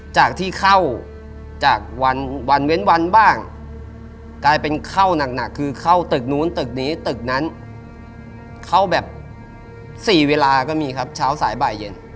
จากที่เข้าจากวันเว้นวันบ้างกลายเป็นเข้าหนักคือเข้าตึกนู้นตึกนี้ตึกนั้นเข้าแบบ๔เวลาก็มีครับเช้าสายบ่ายเย็น